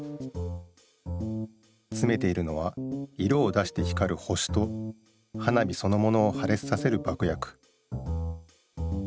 つめているのは色を出して光る星と花火そのものを破裂させる爆薬。